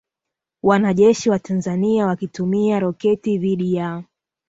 wanajeshi wa Tanzania wakitumia roketi dhidi ya